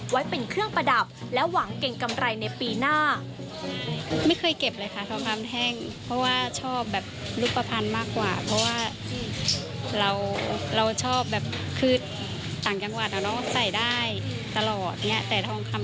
ไว้เป็นเครื่องประดับและหวังเก่งกำไรในปีหน้า